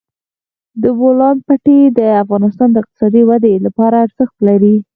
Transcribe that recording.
د بولان پټي د افغانستان د اقتصادي ودې لپاره ارزښت لري.